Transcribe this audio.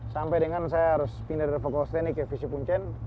sampai dengan saya harus pindah dari fokal stenik ke fisi punchen